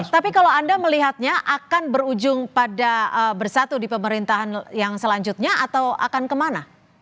tapi kalau anda melihatnya akan berujung pada bersatu di pemerintahan yang selanjutnya atau akan kemana